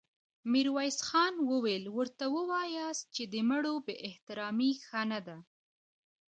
ميرويس خان وويل: ورته وواياست چې د مړو بې احترامې ښه نه ده.